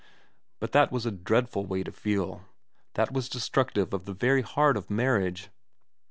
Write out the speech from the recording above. But that was a dreadful way to feel, that was destructive of the very heart of marriage.